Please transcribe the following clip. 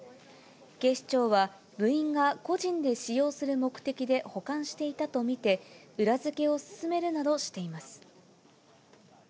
警視庁は部員が個人で使用する目的で保管していたと見て、裏付けを進めるなどしています。